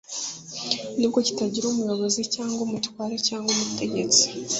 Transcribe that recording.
Nubwo kitagira umuyobozi cyangwa umutware cyangwa umutegetsi